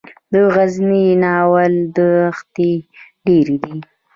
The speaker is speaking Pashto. د غزني د ناور دښتې ډیرې دي